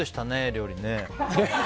料理ね。